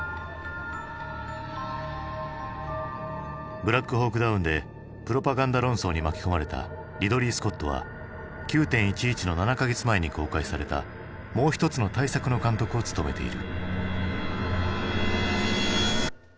「ブラックホーク・ダウン」でプロパガンダ論争に巻き込まれたリドリー・スコットは９．１１の７か月前に公開されたもう一つの大作の監督を務めている。